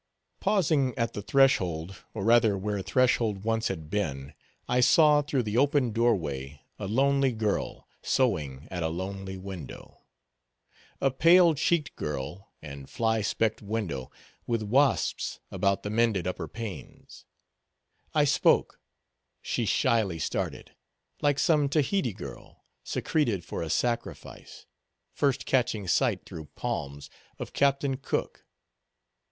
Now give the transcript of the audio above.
Pausing at the threshold, or rather where threshold once had been, I saw, through the open door way, a lonely girl, sewing at a lonely window. A pale cheeked girl, and fly specked window, with wasps about the mended upper panes. I spoke. She shyly started, like some Tahiti girl, secreted for a sacrifice, first catching sight, through palms, of Captain Cook.